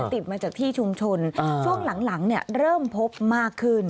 ติดมาจากที่ชุมชนช่วงหลังเริ่มพบมากขึ้น